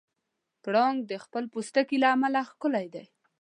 پړانګ د خپل پوستکي له امله ښکلی دی.